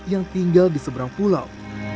yang tinggal di seberang pulau